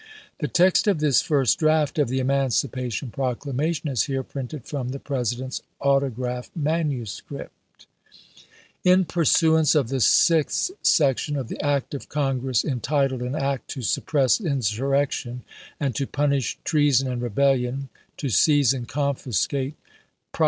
The text of this first draft of the Emancipation Proclamation is here printed from the President's autograph manuscript : In pursuance of the sixth section of the act of Con gress entitled, " An act to suppress insurrection and to punish treason and rebellion, to seize and confiscate prop 126 ABRAHAM LINCOLN Chap. VI.